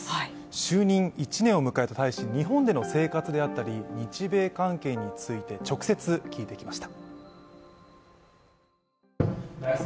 就任１年を迎えた大使、日本での生活であったり日米関係について、直接聞いてきました。